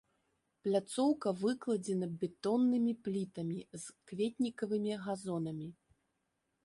Пляцоўка выкладзена бетоннымі плітамі з кветнікавымі газонамі.